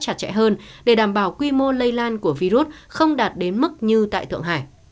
trẻ hơn để đảm bảo quy mô lây lan của virus không đạt đến mức như tại thượng hải